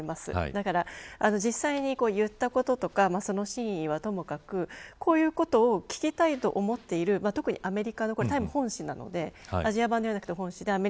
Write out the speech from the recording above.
だから実際に言ったこととかその真意はともかくこういうことを聞きたいと思っている、特にアメリカ本誌なのでアジア版じゃなくて。